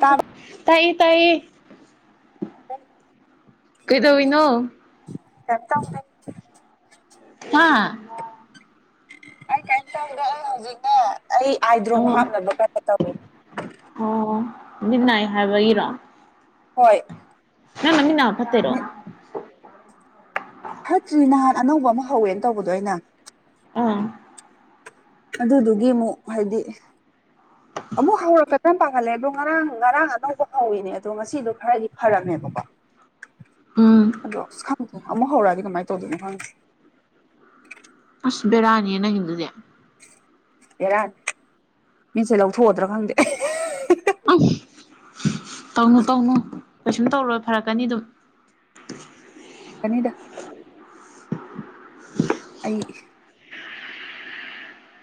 ꯇꯥꯕ ꯇꯥꯏꯌꯦ ꯇꯥꯏꯌꯦ ꯀꯩꯗꯧꯏꯅꯣ ꯀꯇꯥꯨ ꯍꯥꯥ ꯑꯩ ꯀꯩꯅ ꯇꯧꯗꯦ ꯑꯩ ꯍꯧꯖꯤꯛꯅꯦ ꯑꯩ ꯑꯥꯏꯗ꯭ꯔꯣ ꯑꯣ ꯍꯥꯞꯅꯕ ꯀꯩꯅꯣ ꯇꯧꯋ ꯑꯣ ꯠꯅꯥꯏ ꯍꯥꯏꯕ ꯏꯔꯣ ꯍꯣꯏ ꯅꯪꯃꯤꯅ ꯐꯠꯇꯦꯔꯣ ꯐꯠꯇ꯭ꯔꯤ ꯅꯍꯥꯟ ꯑꯅꯧꯕ ꯑꯃ ꯍꯧꯋꯦꯅ ꯇꯧꯕꯗꯣ ꯑꯩꯅ ꯑꯥ ꯑꯗꯨꯗꯨꯒꯤ ꯑꯃꯨꯛ ꯍꯥꯏꯗꯤ ꯑꯃꯨꯛ ꯍꯧꯔꯛꯀ ꯌꯥꯝ ꯄꯥꯈꯠꯂꯦ ꯑꯗꯣ ꯉꯔꯥꯡ ꯉꯔꯥꯡ ꯑꯅꯧꯕ ꯍꯧꯋꯤꯅꯦ ꯑꯗꯣ ꯉꯁꯤꯗꯣ ꯈꯔꯗꯤ ꯐꯔꯝꯃꯦꯕꯀꯣ [inaudible] ꯎꯝ ꯑꯗꯣ ꯑꯁ ꯈꯪꯗꯦ ꯑꯃꯨꯛ ꯍꯧꯛꯑꯗꯤ ꯀꯃꯥꯏꯅ ꯇꯧꯣꯏꯅꯣ ꯈꯪꯉꯦ ꯑꯁꯕꯔꯥꯅꯤꯅ ꯍꯗꯨꯅꯦꯦ ꯑꯦꯔꯥꯟ ꯃꯤꯟꯆꯦ ꯂꯧꯊꯣꯛꯑꯗ꯭ꯔꯥ ꯈꯪꯗꯦ ꯎ ꯇꯧꯅꯨ ꯇꯧꯅꯨ ꯀꯩꯁꯨꯝ ꯇꯧꯔꯣꯏ ꯐꯔꯛꯀꯅꯤ ꯑꯗꯨꯝ ꯀꯅꯤꯗ ꯑꯩ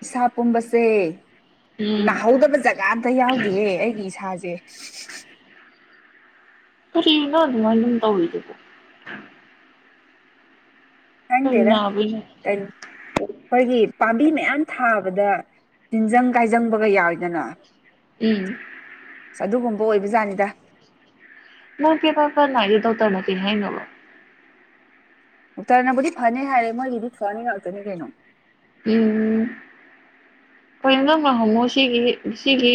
ꯏꯁꯥ ꯄꯨꯝꯕꯁꯦ ꯎꯝ ꯅꯥꯍꯧꯗꯕ ꯖ ꯀꯝꯇ ꯌꯥꯎꯗꯦꯍꯦ ꯑꯩꯒꯤ ꯏꯁꯥꯁꯦ ꯀꯔꯤꯅꯣ ꯑꯗꯨꯉꯥꯏ ꯑꯗꯨꯝ ꯇꯧꯋꯗꯨꯕꯣ ꯀꯔꯤ ꯍꯪꯗꯦꯔ ꯅꯥꯕꯩꯅꯣ ꯀ ꯑꯩꯈꯣꯏꯒꯤ ꯄꯥꯝꯕꯤ ꯃꯌꯥꯝ ꯊꯥꯕꯗ ꯇꯤꯟꯖꯪ ꯀꯥꯏꯖꯪꯕꯒ ꯌꯥꯎꯋꯤꯗꯅ ꯏ [unintelligible] ꯑ ꯑꯗꯨꯒꯨꯝꯕ ꯑꯣꯏꯕꯖꯥꯠꯅꯤꯗ ꯅ ꯄꯦ ꯄꯔꯄꯔꯅ ꯌꯦ ꯇꯧꯇꯔ ꯅ ꯍꯥꯏꯅꯣꯂꯣ ꯑꯣꯛꯇꯔꯅꯕꯨꯗꯤ ꯐꯅꯤ ꯍꯥꯏꯔꯦ ꯃꯣꯏꯒꯤꯗꯤ ꯐꯅꯤ ꯉꯥꯛꯇꯅꯤ ꯀꯩꯅꯣ ꯎꯝ ꯍ ꯅꯪꯅ ꯍꯣꯡꯃꯣ ꯁꯤꯒꯤ ꯁꯤꯒꯤ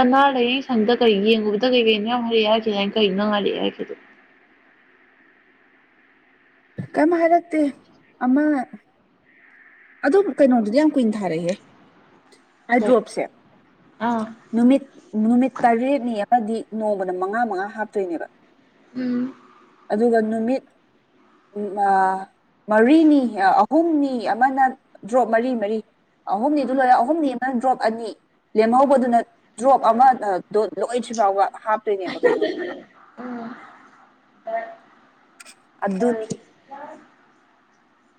ꯑꯅꯥꯜꯛꯌꯦ ꯁꯪꯗ ꯀꯩ ꯌꯦꯡꯉꯨꯕꯗ ꯀꯩ ꯀꯩꯅ ꯌꯥꯎ ꯍꯥꯏꯔꯛꯑꯦ ꯍꯥꯏꯈꯤꯗꯅ ꯑꯩꯅ ꯀꯩꯅ ꯅꯉꯥꯏꯜꯛꯦ ꯍꯥꯏꯦꯗꯣ ꯀꯝꯔꯠꯇꯦ ꯑꯃꯃ ꯑꯗꯨꯣ ꯀꯩꯅꯣꯗꯨꯗꯤ ꯌꯥꯝ ꯀꯨꯏꯅ ꯊꯥꯔꯛꯍꯦ ꯀꯩ ꯍꯥꯏꯗ꯭ꯔꯣꯞꯁꯦ ꯑꯥ ꯅꯨꯃꯤꯠ ꯅꯨꯃꯤꯠ ꯇꯔꯦꯠꯅꯤ ꯑꯃꯗꯤ ꯅꯣꯡꯃꯗ ꯃꯉꯥ ꯃꯉꯥ ꯍꯥꯞꯇꯣꯏꯅꯦꯕ ꯎꯝ ꯑꯗꯨꯒ ꯅꯨꯃꯤꯠ ꯃꯔꯤꯅꯤ ꯑꯍꯨꯝꯅꯤ ꯑꯃꯅ ꯗ꯭ꯔꯣꯞ ꯃꯔꯤ ꯃꯔꯤ ꯑꯍꯨꯝꯅꯤꯗꯨ ꯂꯣꯏꯔ ꯑꯍꯨꯝꯅꯤ ꯑꯃꯅ ꯗ꯭ꯔꯣꯞ ꯑꯅꯤ ꯂꯦꯝꯍꯧꯕꯗꯨꯅ ꯗ꯭ꯔꯣꯞ ꯑꯃ ꯗ ꯂꯣꯏꯗ꯭ꯔꯤ ꯐꯥꯎꯕ ꯍꯥꯞꯇꯣꯏꯅꯦꯕ ꯀꯩꯅꯣꯗꯣ ꯑꯗꯨꯅꯤ ꯌꯥ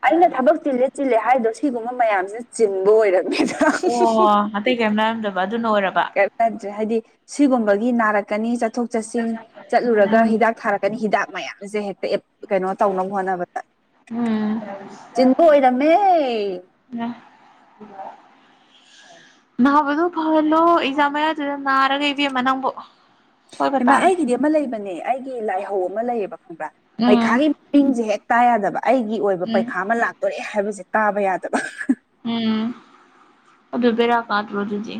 ꯑꯩꯅ ꯊꯕꯛ ꯆꯤꯜꯂꯦ ꯆꯤꯜꯂꯦ ꯍꯥꯏꯗꯣ ꯁꯤꯒꯨꯝꯕ ꯃꯌꯥꯝꯁꯤ ꯆꯤꯟꯕ ꯑꯣꯏꯔꯝꯅꯤ ꯑꯣ ꯑꯇꯩ ꯀꯩꯝ ꯂꯩꯥꯏꯔꯝꯗꯕ ꯑꯗꯨꯅ ꯑꯣꯏꯔꯕ ꯭ꯔꯦ ꯍꯥꯏꯗꯤ ꯁꯤꯒꯨꯝꯕꯒꯤ ꯅꯥꯔꯛꯀꯅꯤ ꯆꯠꯊꯣꯛ ꯆꯠꯁꯤꯟ ꯆꯠꯂꯨꯔꯒ ꯎꯝ ꯍꯤꯗꯥꯛ ꯊꯥꯔꯛ ꯍꯤꯗꯥꯛ ꯃꯌꯥꯝꯁꯦ ꯍꯦꯛꯇ ꯀꯩꯅꯣ ꯇꯧꯅꯕ ꯍꯣꯠꯅꯕꯗ ꯎꯝ ꯆꯤꯟꯕ ꯑꯣꯏꯔꯝꯃꯦ [unintelligible] ꯎ [unintelligible] ꯅꯥꯕꯗꯣ ꯐꯍꯜꯂꯣ ꯑꯦꯛꯖꯥꯝ ꯃꯌꯥꯗꯨꯗ ꯅꯥꯔꯒ ꯏꯕꯦꯝꯃ ꯅꯪꯕꯨ ꯁꯣꯏꯕ ꯍꯩꯃꯥ ꯇꯥꯔꯦ ꯑꯩꯒꯤꯗꯤ ꯑꯃ ꯂꯩꯕꯅꯦ ꯑꯩꯒꯤ ꯂꯥꯏꯍꯧ ꯑꯃ ꯂꯩꯌꯦꯕ ꯈꯪꯕ꯭ꯔꯥ ꯎꯝ ꯄꯩꯈꯥꯒꯤ ꯃꯃꯤꯡꯖꯦ ꯍꯦꯛ ꯇꯥ ꯌꯥꯗꯕ ꯑꯩꯒꯤ ꯑꯣꯏꯕ ꯎꯝ ꯄꯩꯈꯥ ꯑꯃ ꯂꯥꯛꯇꯣꯔꯦ ꯍꯥꯏꯕꯁꯦ ꯇꯥꯕ ꯌꯥꯗꯕ ꯎꯝ ꯑꯗꯨ ꯕꯦꯔꯥ ꯀꯥꯗ꯭ꯔꯣ ꯑꯗꯨꯗꯤ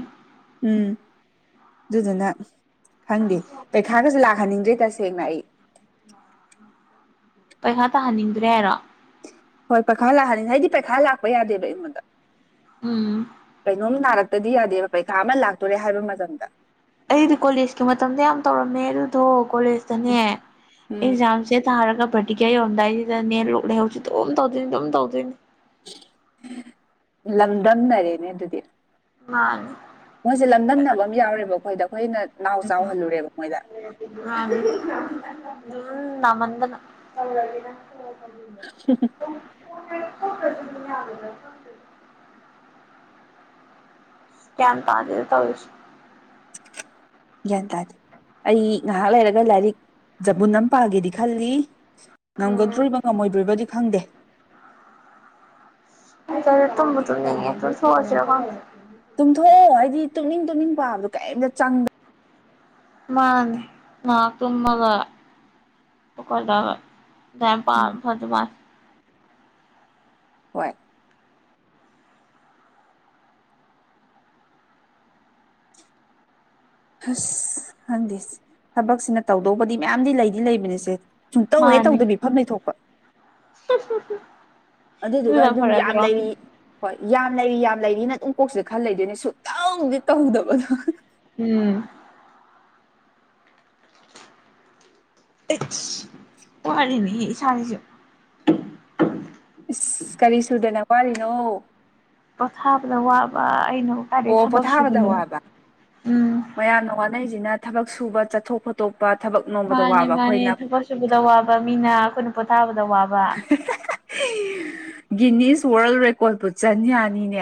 ꯎꯝ ꯑꯗꯨꯗꯨꯅ ꯈꯪꯗꯦ ꯄꯩꯈꯥꯒꯖꯨ ꯂꯥꯛꯍꯟꯅꯤꯡꯗ꯭ꯔꯦ ꯇꯁꯦꯡꯅ ꯑꯩ ꯄꯩꯁꯥ ꯇꯥꯍꯟꯅꯤꯡꯗ꯭ꯔꯦ ꯍꯥꯏꯔꯣ ꯍꯣꯏ ꯄꯩꯈꯥ ꯂꯥꯛꯑꯅꯤ ꯍꯥꯏꯗꯤ ꯄꯩꯈꯥ ꯂꯥꯛꯄ ꯌꯥꯗꯦꯕ ꯑꯩꯉꯣꯟꯗ ꯎꯝ ꯀꯩꯅꯣꯝ ꯅꯥꯔꯛꯇꯗꯤ ꯌꯥꯗꯦꯕ ꯄꯩꯈꯥ ꯑꯃ ꯂꯥꯛꯇꯣꯔꯦ ꯍꯥꯏꯕ ꯃꯇꯝꯗ ꯑꯩꯗꯤ ꯀꯣꯂꯦꯖꯀꯤ ꯃꯇꯝꯗ ꯌꯥꯝ ꯇꯧꯔꯝꯃꯦ ꯑꯗꯨꯗꯣ ꯀꯣꯂꯦꯖꯇꯅꯦ ꯎꯝ ꯑꯦꯛꯖꯥꯝ ꯁꯦ ꯊꯥꯔꯒ ꯄ꯭ꯔꯦꯛꯇꯤꯀꯦꯟ ꯌꯧꯔꯝꯗꯥꯏꯁꯤꯗꯅꯦ ꯂꯣꯛ ꯂꯥꯏꯍꯧꯖꯦ ꯑꯗꯨꯝ ꯇꯧꯗꯣꯏꯅꯤ ꯑꯗꯨꯝ ꯇꯧꯗꯣꯏꯅꯤ [unintelligible] ꯂꯝꯗꯝꯅꯔꯦꯅꯦ ꯑꯗꯨꯗꯤ ꯃꯥꯅꯤ ꯃꯣꯏꯖꯦ ꯂꯝꯗꯝꯟꯅꯕ ꯑꯃ ꯌꯥꯎꯔꯦꯕ ꯑꯩꯈꯣꯏꯗ ꯑꯩꯈꯣꯏꯅ ꯅꯥꯎ ꯆꯥꯎꯍꯜꯂꯨꯔꯦꯕ ꯃꯣꯏꯗ ꯃꯥꯅꯤ ꯗꯨꯝ ꯅꯥꯃꯟꯗꯅ [unintelligible] [unintelligible] ꯒꯌꯥꯟ ꯇꯥꯗꯦꯗ ꯇꯧꯔꯤꯖꯦ ꯒ꯭ꯌꯥꯟ ꯇꯥꯗꯦ ꯑꯩ ꯉꯥꯏꯍꯥꯛ ꯂꯩꯔꯒ ꯂꯥꯏꯔꯤꯛ ꯆꯕꯨꯟ ꯑꯃ ꯄꯥꯒꯦꯗꯤ ꯈꯜꯂꯤ ꯉꯝꯒꯗꯣꯔꯤꯕ ꯉꯝꯃꯣꯏꯗꯣꯔꯤꯕꯗꯤ ꯈꯪꯗꯦ ꯑꯁ ꯑꯩꯗꯤ ꯇꯨꯝꯕꯨ ꯇꯨꯝꯅꯤꯡ ꯉꯛꯑꯦ ꯇꯣꯛꯊꯣꯛ ꯑꯖꯤꯔ ꯈꯪꯗꯦ ꯇꯨꯝꯊꯣꯛꯑꯣ ꯍꯥꯏꯗꯤ ꯇꯨꯝꯅꯤꯡ ꯇꯨꯝꯅꯤꯡ ꯄꯥꯕꯗꯣ ꯀꯩꯝꯇ ꯆꯪꯗ ꯃꯥꯅꯤ ꯉꯍꯥꯛ ꯇꯨꯝꯃꯒ ꯍꯧꯒꯠꯂꯒ ꯑꯗꯥꯏ ꯎꯝ ꯄꯥꯕꯅ ꯐꯗꯧ ꯃꯥꯜꯂꯦ ꯍꯣꯏ ꯑꯁ ꯈꯪꯗꯦ ꯊꯕꯛꯁꯤꯅ ꯇꯧꯗꯧꯕꯗꯤ ꯃꯌꯥꯝꯗꯤ ꯂꯩꯗꯤ ꯂꯩꯕꯅꯤꯁꯦ ꯁꯨꯛ ꯇꯧ ꯍꯦꯛ ꯃꯥꯅꯤ ꯇꯧꯗꯕꯤ ꯐꯝ ꯂꯩꯊꯣꯛꯄ [unintelligible] ꯑꯗꯨꯗꯨꯒ ꯑꯗꯨꯅ ꯑꯗꯨꯝ ꯌꯥꯝ ꯐꯔꯗ꯭ꯔꯣ ꯂꯩꯔꯤ ꯍꯣꯏ ꯌꯥꯝ ꯂꯩꯔꯤ ꯌꯥꯝ ꯂꯩꯔꯤꯅ ꯑꯗꯨꯝ ꯀꯣꯛꯁꯤꯗ ꯈꯟ ꯂꯩꯗꯣꯏꯅꯦ ꯁꯨꯛꯇꯧꯗꯤ ꯇꯧꯗꯕꯗꯣ ꯎꯝ [unintelligible] ꯋꯥꯔꯤꯅꯦ ꯏꯁꯥꯖꯤꯖꯨ ꯏꯁ ꯀꯔꯤ ꯁꯨꯗꯅ ꯋꯥꯔꯤꯅꯣ ꯄꯣꯊꯥꯕꯗ ꯋꯥꯕ ꯑꯩꯅ ꯀꯥꯏꯗꯩ ꯑꯣ ꯊꯕꯛ ꯄꯣꯊꯥꯕꯗ ꯁꯨꯕꯅꯣ ꯋꯥꯕ ꯎꯝ ꯃꯌꯥꯝꯅ ꯋꯥꯅꯩꯖꯤꯅ ꯊꯕꯛ ꯁꯨꯕ ꯆꯠꯊꯣꯛ [unintelligible] ꯊꯕꯛ [unintelligible] ꯃꯥꯅꯦ ꯃꯥꯅꯦ ꯑꯩꯈꯣꯏꯅ ꯊꯕꯛ ꯁꯨꯕꯗ ꯋꯥꯕ ꯃꯤꯅ ꯑꯩꯈꯣꯏꯅ ꯄꯣꯊꯥꯕꯗ ꯋꯥꯕ ꯒꯤꯅꯤꯁ ꯋꯥꯔꯜ ꯔꯦꯀꯣꯔꯠꯄꯨ ꯆꯟ ꯌꯥꯅꯤꯅꯦ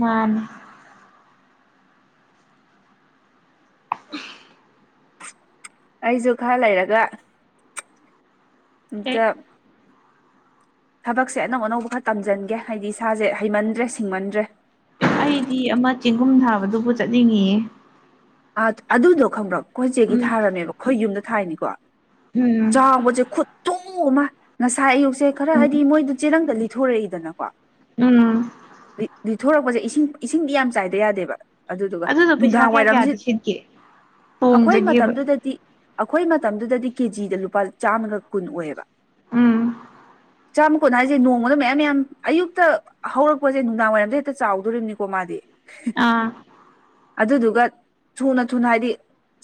ꯃꯥꯅꯤ [unintelligible] ꯑꯩꯖꯨ ꯈꯔ ꯂꯩꯔꯒ ꯑꯦ ꯑꯝꯇ ꯊꯕꯛꯁꯦ ꯑꯅꯧ ꯑꯅꯧꯕ ꯈꯔ ꯇꯝꯖꯟꯒꯦ ꯍꯥꯏꯗꯤ ꯏꯁꯥꯁꯦ ꯍꯩꯃꯟꯗ꯭ꯔꯦ ꯁꯤꯡꯃꯟꯗ꯭ꯔꯦ ꯑꯩꯗꯤ ꯑꯃ ꯆꯦꯡꯒꯨꯝ ꯊꯥꯕꯗꯨꯕꯨ ꯆꯠꯅꯤꯡꯉꯤꯌꯦ ꯑ ꯑꯗꯨꯗꯣ ꯈꯪꯕ꯭ꯔ ꯀꯣꯏꯆꯦꯒꯤ ꯎꯝ ꯊꯥꯔꯝꯃꯦꯕ ꯑꯩꯈꯣꯏ ꯌꯨꯝꯗ ꯊꯥꯏꯅꯤꯀꯣ ꯎꯝ ꯆꯥꯎꯕꯖꯦ ꯈꯨꯠꯊꯨ ꯑꯃ ꯉꯁꯥꯏ ꯑꯌꯨꯛꯁꯦ ꯈꯔ ꯎꯝ ꯍꯥꯏꯗꯤ ꯃꯣꯏꯗꯨ ꯆꯦꯔꯪꯗ ꯂꯤ ꯊꯣꯔꯛꯏꯗꯅꯀꯣ ꯎꯝ ꯂꯤꯊꯣꯔꯛꯄꯁꯦ ꯏꯁꯤꯡ ꯏꯁꯤꯡꯗꯤ ꯌꯥꯝ ꯆꯥꯏꯗ ꯌꯥꯗꯦꯕ ꯑꯗꯨꯗꯨꯒ ꯑꯗꯨꯗꯣ ꯄꯩꯁꯥ ꯅꯨꯡꯗꯥꯡ ꯀꯌꯥ ꯀꯌꯥꯗꯤ ꯋꯥꯏꯔꯝꯁꯤ ꯁꯤꯠꯀꯦ ꯑꯩꯈꯣꯏ ꯍꯣꯡꯖꯒꯦꯕ ꯃꯇꯝꯗꯨꯗꯗꯤ ꯑꯩꯈꯣꯏ ꯃꯇꯝꯗꯨꯗꯗꯤ ꯀꯦꯖꯤꯗ ꯂꯨꯄꯥ ꯆꯥꯝꯃꯒ ꯀꯨꯟ ꯑꯣꯏꯌꯦꯕ ꯎꯝ ꯆꯥꯝꯃ ꯀꯣꯟ ꯍꯥꯏꯁꯦ ꯅꯣꯡꯃꯗ ꯃꯌꯥꯝ ꯌꯥꯝ ꯑꯌꯨꯛꯇ ꯍꯧꯔꯛꯄꯁꯦ ꯅꯨꯡꯗꯥꯡ ꯋꯥꯏꯔꯝꯗ ꯍꯦꯛꯇ ꯆꯥꯎꯗꯣꯔꯤꯕꯅꯤꯀꯣ ꯃꯥꯗꯤ ꯑꯥ ꯑꯗꯨꯗꯨꯒ ꯊꯨꯅ ꯊꯨꯅ ꯍꯥꯏꯗꯤ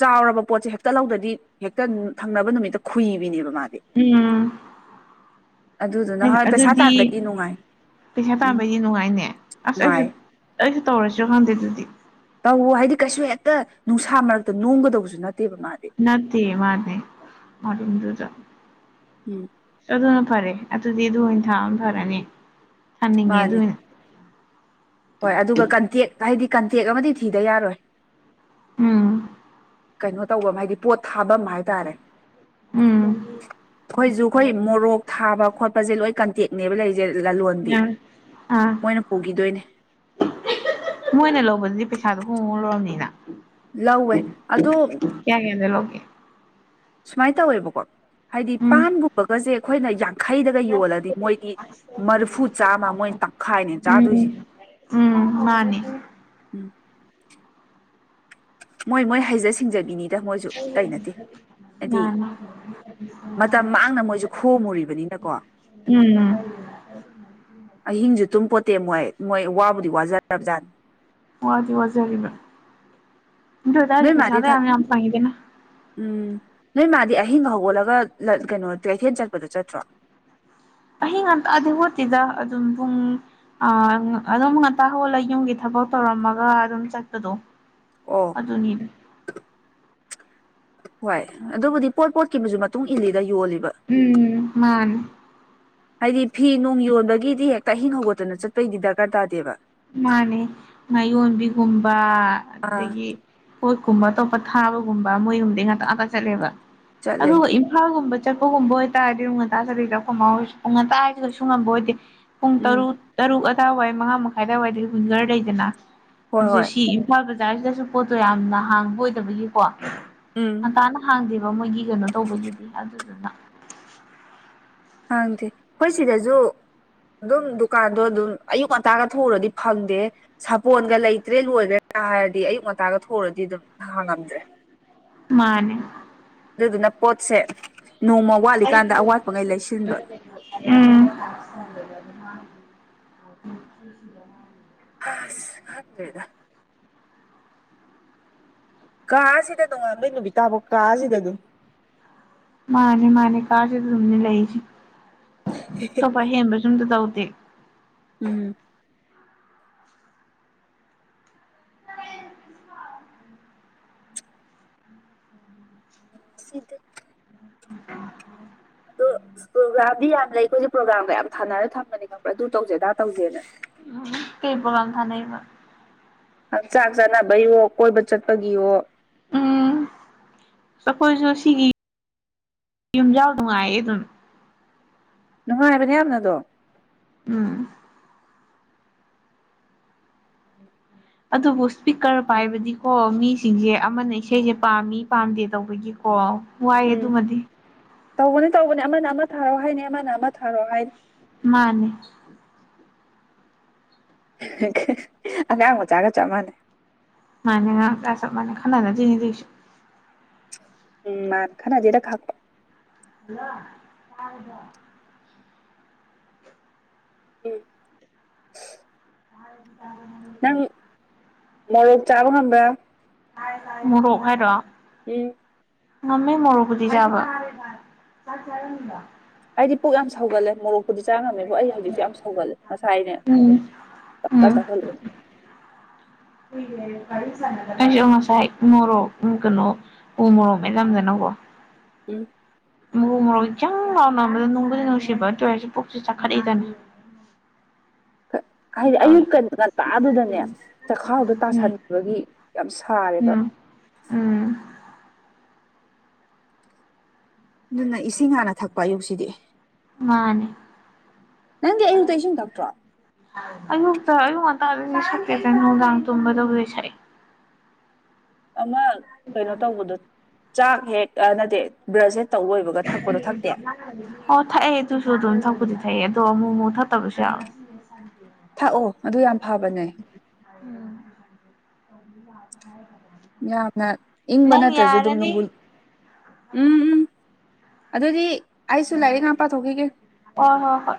ꯆꯥꯎꯔꯕ ꯄꯣꯠꯁꯦ ꯍꯦꯛꯇ ꯂꯧꯗꯗꯤ ꯍꯦꯛꯇ ꯊꯪꯅꯕ ꯅꯨꯃꯤꯠꯇ ꯈꯨꯨꯏꯕꯤꯅꯦꯕ ꯃꯥꯗꯤ ꯎꯝ ꯑꯗꯨꯗꯨꯅ ꯍꯣꯏ ꯄꯩꯁꯥ ꯑꯗꯨꯗꯤ ꯇꯥꯟꯕꯗꯤ ꯅꯨꯡꯉꯥꯏ ꯄꯩꯁꯥ ꯎꯝ ꯇꯥꯟꯕꯒꯤ ꯅꯨꯡꯉꯥꯏꯅꯦ ꯑꯁ ꯑꯩꯁꯨ ꯅꯨꯡꯉꯥꯏ ꯑꯩꯁꯨ ꯇꯧꯔꯁꯤ ꯈꯪꯗꯦ ꯑꯗꯨꯗꯤ ꯇꯧꯋ ꯍꯥꯏꯗꯤ ꯀꯩꯁꯨ ꯍꯦꯛꯇ ꯅꯨꯡꯁꯥ ꯃꯔꯛꯇ ꯅꯣꯝꯒꯗꯧꯕꯁꯨ ꯅꯠꯇꯦꯕ ꯃꯥꯗꯤ ꯅ ꯃꯥꯅꯦ ꯃꯅꯨꯡꯗꯨꯗ ꯎꯝ ꯑꯗꯨꯅ ꯐꯔꯦ ꯑꯗꯨꯗꯤ ꯑꯗꯨ ꯑꯣꯏꯅ ꯊꯥꯕ ꯐꯔꯅꯤ ꯊꯥꯅꯤꯡꯉꯦ ꯑꯗꯨ ꯃꯥꯅꯦ ꯑꯣꯏꯅ ꯍꯣꯏ ꯑꯗꯨꯒ ꯀꯟꯇꯦꯛ ꯍꯥꯏꯗꯤ ꯀꯟꯇꯦꯛ ꯑꯃꯗꯤ ꯊꯤꯗ ꯌꯥꯔꯣꯏ ꯎꯝ ꯀꯩꯅꯣ ꯇꯧꯕꯐꯝ ꯍꯥꯏꯗꯤ ꯄꯣꯠ ꯊꯥꯐꯝ ꯍꯥꯏꯇꯥꯔꯦ ꯎꯝ ꯑꯩꯈꯣꯏꯁꯨꯨ ꯑꯩꯈꯣꯏ ꯃꯣꯔꯣꯛ ꯊꯥꯕ ꯈꯣꯠꯄꯁꯦ ꯂꯣꯏ ꯀꯟꯇꯦꯛꯅꯦꯕ ꯂꯩꯔꯤꯁꯦ ꯆꯦ ꯂꯂꯣꯟꯕꯤ ꯌꯥꯔꯦ ꯑꯥ ꯃꯣꯏꯅ ꯄꯨꯈꯤꯗꯣꯏꯅꯦ ꯃꯣꯏꯅ ꯂꯧꯕꯗꯨꯗꯤ ꯄꯩꯁꯥꯗꯣ ꯍꯣꯡ ꯂꯔꯕꯅꯤꯅ ꯂꯧꯋꯦ ꯑꯗꯨꯣ ꯀꯌꯥ ꯀꯌꯥꯗ ꯂꯣꯒꯦ ꯁꯨꯃꯥꯏꯅ ꯇꯧꯋꯦꯕꯀꯣ ꯍꯥꯏꯗꯤ ꯎꯝ ꯄꯥꯟꯒꯨꯝꯕꯒꯁꯦ ꯑꯩꯈꯣꯏꯅ ꯌꯥꯝ ꯡꯈꯩꯗꯒ ꯌꯣꯜꯂꯗꯤ ꯃꯣꯏꯗꯤ ꯃꯔꯐꯨ ꯆꯥꯝꯃ ꯃꯣꯏ ꯇꯪꯈꯥꯏꯅꯦ ꯎꯝ ꯆꯥꯗꯣꯏꯁꯦ ꯎꯝ ꯃꯥꯅꯦ ꯎꯝ ꯃꯣꯏ ꯃꯣꯏ ꯍꯩꯖ ꯁꯤꯡꯖꯕꯤꯅꯤ ꯃꯣꯏꯁꯨ ꯇꯩꯅꯗꯦ ꯍꯥꯏꯗꯤ ꯃꯥꯅꯤ ꯃꯇꯝ ꯃꯥꯡꯅ ꯃꯣꯏꯁꯨ ꯈꯣꯝ ꯃꯨꯔꯤꯕꯅꯤꯅꯀꯣ ꯎꯝ ꯑꯍꯤꯡꯁꯨ ꯇꯨꯝ ꯄꯣꯠꯇꯦ ꯃꯣꯏ ꯃꯣꯏ ꯋꯥꯕꯨꯗꯤ ꯋꯥꯖꯔꯕ ꯖꯥꯠ ꯋꯥꯗꯤ ꯋꯥꯖꯔꯤꯕ ꯑꯗꯨ ꯑꯣꯏ ꯅꯣꯏ ꯇꯔꯁꯨ ꯃꯥꯗꯤ ꯄꯩꯁꯥꯗ ꯊ ꯌꯥꯝ ꯌꯥꯝ ꯐꯪꯉꯤꯗꯅ ꯎꯝ ꯅꯣꯏ ꯃꯥꯗꯤ ꯑꯍꯤꯡ ꯍꯧꯒꯠꯂꯒ ꯀꯩꯅꯣ ꯇꯩꯊꯦꯜ ꯆꯠꯄꯗꯣ ꯆꯠꯇ꯭ꯔꯣ ꯑꯍꯤꯡ ꯑꯗꯦ ꯍꯣꯠꯇꯗ ꯑꯗꯨꯝꯨꯡ ꯑ ꯑꯗꯨꯝ ꯉꯥꯛꯇꯥ ꯍꯣꯜꯂꯒ ꯌꯨꯝꯒꯤ ꯊꯕꯛ ꯇꯧꯔꯝꯃꯒ ꯑꯗꯨꯝ ꯆꯠꯄꯗꯣ ꯑꯣ ꯑꯗꯨꯅꯤꯗ ꯍꯣꯏ ꯑꯗꯨꯕꯨꯗꯤ ꯄꯣꯠ ꯄꯣꯠꯈꯤꯕꯁꯨ ꯃꯇꯨꯡ ꯏꯜꯂꯤꯗ ꯌꯣꯜꯂꯤꯕ ꯎꯝ ꯃꯥꯅꯤ ꯍꯥꯏꯗꯤ ꯐꯤ ꯅꯣꯡ ꯌꯣꯟꯕꯒꯤꯗꯤ ꯍꯦꯛꯇ ꯑꯍꯤꯡ ꯍꯧꯒꯠꯇꯅ ꯆꯠꯄꯩꯗꯤ ꯗꯔꯀꯥꯔ ꯇꯥꯗꯦꯕ ꯃꯥꯅꯦ ꯉꯥꯌꯣꯟꯕꯤꯒꯨꯝꯕ ꯑꯥ ꯑꯗꯨꯗꯒꯤ ꯄꯣꯠꯀꯨꯝꯕ ꯑꯇꯣꯞꯄ ꯊꯥꯕꯒꯨꯝꯕ ꯃꯣꯏꯒꯨꯝꯕꯩ ꯉꯥꯛꯇ ꯉꯥꯛꯇ ꯆꯠꯂꯦꯕ ꯆꯠꯂꯦ ꯑꯗꯨꯒ ꯥꯒꯨꯝꯕ ꯆꯠꯄꯒꯨꯝꯕꯇꯥꯔꯗꯤ ꯎꯅꯨꯡ ꯉꯟꯇꯥ ꯆꯠꯗ ꯆ ꯎ ꯉꯟꯇꯥ ꯍꯥꯏꯁꯤ ꯀꯩꯁꯨ ꯉꯝꯕ ꯑꯣꯏꯗꯦ ꯄꯨꯡ ꯎꯝ ꯇꯔꯨꯛ ꯇꯔꯨꯛ ꯑꯗꯥꯏꯋꯥꯏ ꯃꯉꯥ ꯃꯈꯥꯏ ꯑꯗꯨꯋꯥꯏꯗ ꯋꯤꯡꯒꯔ ꯂꯩꯗꯅ ꯍꯣꯏ ꯑꯗꯨ ꯍꯣꯏ ꯁꯤ ꯊꯧꯕꯥꯥꯜ ꯕꯖꯥꯔꯁꯤꯗꯁꯨ ꯄꯣꯠꯇꯣ ꯌꯥꯝꯅ ꯍꯥꯡꯕ ꯑꯣꯏꯗꯕꯒꯤꯀꯣ ꯎꯝ ꯍꯪꯀꯅ ꯍꯥꯡꯗꯦꯕ ꯃꯣꯏꯒꯤ ꯀꯩꯅꯣ ꯇꯧꯕꯒꯤꯗꯤ ꯑꯗꯨꯗꯨꯅ ꯍꯪꯗꯦ ꯑꯩꯈꯣꯏ ꯁꯤꯗꯁꯨ ꯑꯗꯨꯝ ꯗꯨꯀꯥꯟꯗꯣ ꯑꯗꯨꯝ ꯑꯌꯨꯛ ꯉꯟꯇꯥꯒ ꯊꯣꯛꯎꯔꯗꯤ ꯐꯪꯗꯦ ꯁꯥꯄꯣꯟꯒ ꯂꯩꯇ꯭ꯔꯦ ꯂꯣꯏꯈ꯭ꯔꯦꯅ ꯍꯥꯏꯔꯗꯤ ꯑꯌꯨꯛ ꯉꯟꯇꯥꯒ ꯊꯣꯛꯎꯨꯔꯗꯤ ꯑꯗꯨꯝ ꯍꯥꯡꯉꯝꯗ꯭ꯔꯦ ꯃꯥꯅꯦ ꯑꯗꯨꯗꯨꯅ ꯄꯣꯠꯁꯦ ꯅꯣꯡꯃ ꯋꯥꯠꯂꯤꯀꯥꯟꯗ ꯑꯋꯥꯠꯄꯉꯩ ꯂꯩꯁꯤꯟꯕ ꯎꯝ ꯑ ꯍꯗꯦꯗ ꯀꯥꯁꯤꯗ ꯅꯣꯉꯥꯟꯕꯩ ꯅꯨꯕꯤꯇꯥꯥꯕꯧ ꯀꯥꯁꯤꯗ ꯑꯗꯨꯝ ꯃꯥꯅꯦ ꯃꯥꯅꯦ ꯀꯥꯥꯁꯗ ꯑꯗꯨꯝꯅꯦ ꯂꯩꯁ ꯑꯇꯣꯞꯄ ꯍꯦꯟꯕ ꯁ ꯑꯝꯇ ꯇꯧꯗꯦ ꯎꯝ [unintelligible] ꯁꯤꯗ ꯑꯗꯣ ꯄ꯭ꯔꯣꯒ꯭ꯔꯥꯝꯗꯤ ꯌꯥꯝ ꯂꯩ ꯑꯩꯈꯣꯏꯁꯦ ꯄ꯭ꯔꯣꯒ꯭ꯔꯥꯝꯒ ꯌꯥꯝ ꯊꯥꯅꯔ ꯊꯝꯕꯅꯤ ꯈꯄ꯭ꯔꯥ ꯑꯗꯨ ꯇꯧꯖꯦ ꯗꯥ ꯇꯧꯖꯦꯅ ꯎꯝ ꯀꯩ ꯄꯣꯒꯥꯝ ꯊꯥ ꯅꯩꯕ ꯍꯛꯆꯥꯡ ꯆꯥꯟꯅꯕꯒꯤꯌꯣ ꯀꯣꯏꯕ ꯆꯠꯄꯒꯤꯌꯣ ꯎꯝ ꯑꯩꯈꯣꯏꯁꯨ ꯁꯤꯒꯤ ꯌꯨꯝꯖꯥꯎ ꯅꯨꯡꯉꯥꯏꯌꯦ ꯑꯗꯨꯝ ꯅꯨꯡꯉꯥꯏꯕꯅꯦ ꯌꯥꯝꯅꯗꯣ ꯎꯝ ꯑ ꯑꯗꯨꯕꯨ ꯏꯁꯄꯤꯀꯔ ꯄꯥꯏꯕꯗꯤꯀꯣ ꯃꯤꯁꯤꯡꯁꯦ ꯑꯃꯅ ꯏꯁꯩꯁꯦ ꯄꯥꯝꯃꯤ ꯄꯥꯝꯗꯦ ꯇꯧꯕꯒꯤꯀꯣ ꯋꯥꯏꯑꯦ ꯎꯝ ꯑꯗꯨꯃꯗꯤ ꯇꯧꯕꯅꯦ ꯇꯧꯕꯅꯦ ꯑꯃꯅ ꯑꯃ ꯊꯥꯔꯛꯑꯣ ꯍꯥꯏꯅꯤ ꯑꯃꯅ ꯑꯃ ꯊꯥꯔꯛꯣꯑꯣ ꯍꯥꯏꯅꯤ ꯃꯥꯅꯦ ꯑꯉꯥꯡ ꯃꯆꯥꯒ ꯆꯞ ꯃꯥꯟꯅꯩ ꯃꯅꯤ ꯃ ꯈꯅꯅ ꯆꯅꯤꯁꯨ ꯎꯝ ꯃꯥꯅ ꯈꯅꯦꯗ ꯈꯥꯛ ꯍꯜꯂꯣ ꯀꯗ ꯎꯝ ꯍ ꯅꯪ ꯃꯣꯔꯣꯛ ꯆꯥꯕ ꯉꯕ꯭ꯔꯥ ꯃꯣꯔꯣꯛ ꯍꯥꯏꯔꯣ ꯎꯝ ꯉꯃꯤꯃꯦ ꯃꯔꯕꯨꯗꯤꯖꯕ ꯑꯩꯗꯤ ꯄꯨꯛ ꯌꯥꯝ ꯁꯧꯒꯠꯂꯦ ꯃꯣꯔꯣꯛꯄꯨꯗꯤ ꯆꯥ ꯉꯝꯃꯦꯕ ꯑꯩ ꯍꯧꯖꯤꯛꯁꯨ ꯌꯥꯝ ꯁꯧꯒꯜꯂꯦ ꯉꯁꯥꯏꯅꯦ ꯎꯝ ꯆꯞ ꯎꯝ ꯆꯠ ꯊꯂ ꯑꯩꯁꯨ ꯑꯣ ꯉꯁꯥꯏ ꯃꯣꯔꯣꯛ ꯀꯩꯅꯨ ꯎ ꯃꯣꯔꯣꯛ ꯃ ꯂ ꯂꯝꯖ ꯅꯒꯣ ꯎꯝ ꯃꯣꯛ ꯃꯔꯣꯔꯣꯛ ꯈꯤꯆꯪ ꯂꯥꯎꯅꯕꯗ ꯅꯨꯡꯕꯨꯗꯤ ꯅꯨꯡꯁꯤꯕ ꯇꯣꯏꯋꯔꯁꯦ ꯄꯨꯣꯛꯁꯦ ꯆꯥꯈꯠꯛꯏꯗꯅ [inaudible] ꯍꯥꯏꯗꯤ ꯇꯧꯋꯤ ꯑꯌꯨꯛ ꯉꯟꯇꯥꯗꯨꯗꯅꯦ ꯆꯈꯥꯎꯗꯣ ꯎꯝ ꯇꯥꯁꯟꯕꯒꯤ ꯌꯥꯝ ꯁꯥꯔꯦꯕ ꯎꯝ ꯎꯝ ꯑꯗꯨꯅ ꯏꯁꯤꯡ ꯍꯥꯟꯅ ꯊꯛꯄ ꯑꯌꯨꯛꯁꯤꯗꯤ ꯃꯥꯅꯦ ꯅꯪꯗꯤ ꯑꯌꯨꯛꯇ ꯏꯁꯤꯡ ꯊꯛꯇ꯭ꯔꯣ ꯑꯌꯨꯛꯇ ꯑꯌꯨꯛ ꯉꯟꯇꯥꯗꯗꯤ ꯁꯛꯀꯦꯗ ꯅꯨꯡꯗꯥꯡ ꯇꯨꯝꯒꯗꯕꯨꯗꯤ ꯁꯛꯏ ꯑꯃ ꯀꯩꯅꯣ ꯇꯧꯕꯗꯣ ꯆꯥꯛ ꯍꯦꯛ ꯀꯥꯟꯅꯗꯦ ꯕ꯭ꯔꯁꯦꯠ ꯇꯧꯕ ꯑꯣꯏꯕꯒ ꯊꯛꯄꯗꯣ ꯊꯛꯇꯦ ꯑꯣ ꯊꯛꯑꯦ ꯑꯗꯨꯁꯨ ꯑꯗꯨꯝ ꯊꯛꯄꯨꯗꯤ ꯊꯛꯑ ꯑꯗꯣ ꯑꯃꯨꯛ ꯑꯃꯨꯛ ꯊꯛꯇꯕꯁꯨ ꯌꯥ ꯌꯥꯝ ꯊꯥꯛꯑꯣ ꯑꯗꯨ ꯌꯥꯝ ꯐꯕꯅꯦ ꯔ ꯌꯥꯝꯅ ꯏꯪꯕ ꯅꯠꯇ꯭ꯔꯁꯨ ꯑꯗꯨꯝ ꯂꯣꯡꯒꯨꯜ ꯎꯝ ꯎꯝ ꯑꯗꯨꯗꯤ ꯑꯩꯁꯨ ꯂꯥꯏꯔꯤꯛ ꯉꯥꯛ ꯄꯥꯊ ꯊꯣꯛꯈꯤꯒꯦ ꯑꯣ ꯍꯣ ꯍꯣꯏ